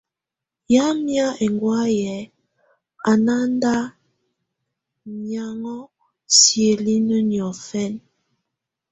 Yamɛ̀á ɛŋgɔ̀áyɛ̀ á nà nda miaŋgɔ siǝ́linǝ níɔ̀fɛna.